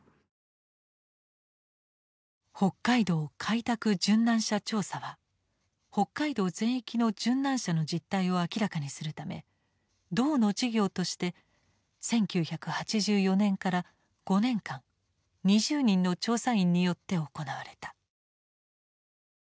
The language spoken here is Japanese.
「北海道開拓殉難者調査」は北海道全域の殉難者の実態を明らかにするため道の事業として１９８４年から５年間２０人の調査員によって行われた。